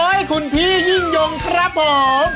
ให้คุณพี่ยิ่งยงครับผม